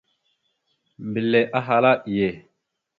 Mbelle ahala: « Iye ».